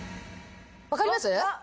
分かります？あっ！